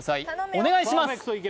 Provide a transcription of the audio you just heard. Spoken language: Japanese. お願いします